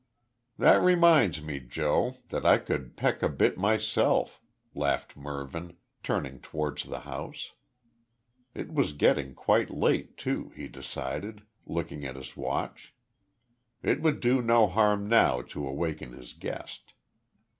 "That reminds me, Joe, that I could peck a bit myself," laughed Mervyn, turning towards the house. It was getting quite late too, he decided, looking at his watch. It would do no harm now to awaken his guest.